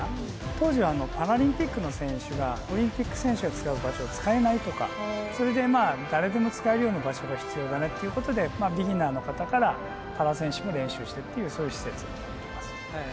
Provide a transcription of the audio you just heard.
当時はパラリンピックの選手がオリンピック選手が使う場所を使えないとかそれで誰でも使えるような場所が必要だねっていうことでまあビギナーの方からパラ選手も練習してっていうそういう施設になってます。